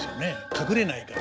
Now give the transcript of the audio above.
隠れないから。